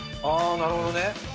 ああなるほどね。